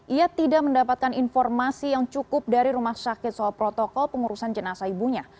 ia tidak mendapatkan informasi yang cukup dari rumah sakit soal protokol pengurusan jenazah ibunya